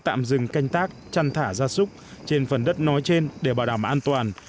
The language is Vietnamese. tạm dừng canh tác chăn thả ra súc trên phần đất nói trên để bảo đảm an toàn